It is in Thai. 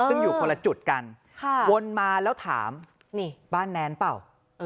ซึ่งอยู่คนละจุดกันวนมาแล้วถามนี่บ้านแนนเปล่า